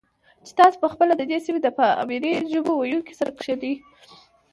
چې تاسې په خپله د دې سیمې د پامیري ژبو ویونکو سره کښېنئ،